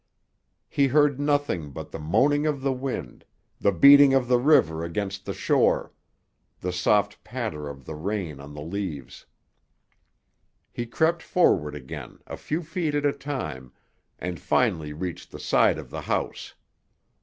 He heard nothing but the moaning of the wind, the beating of the river against the shore, the soft patter of the rain on the leaves. He crept forward again, a few feet at a time, and finally reached the side of the house.